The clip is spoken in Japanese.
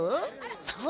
そう！